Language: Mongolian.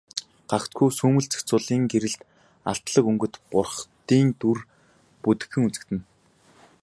Гагцхүү сүүмэлзэх зулын гэрэлд алтлаг өнгөт бурхдын дүр бүдэгхэн үзэгдэнэ.